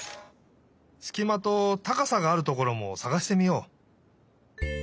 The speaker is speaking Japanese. すきまとたかさがあるところもさがしてみよう。